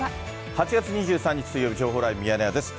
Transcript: ８月２３日水曜日、情報ライブミヤネ屋です。